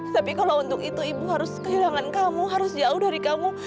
tapi kalau untuk itu ibu harus kehilangan kamu harus jauh dari kamu